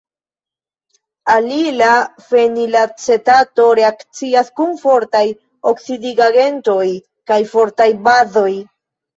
Alila fenilacetato reakcias kun fortaj oksidigagentoj kaj fortaj bazoj.